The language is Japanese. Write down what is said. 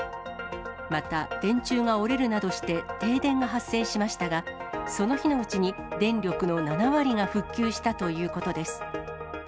また、電柱が折れるなどして停電が発生しましたが、その日のうちに電力の７割が復旧したということです。